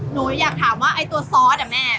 หนูอยากถามว่าไอ้ตัวซอสอ่ะแม่